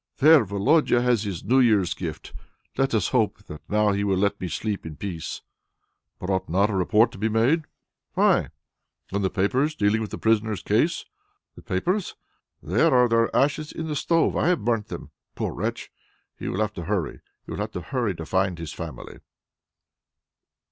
"There! Volodia has his New Year's gift! Let us hope that now he will let me sleep in peace." "But ought not a report to be made?" "Why?" "And the papers dealing with the prisoner's case?" "The papers? There are their ashes in the stove. I have burnt them. Poor wretch! He will have to hurry he will have to hurry to find his family."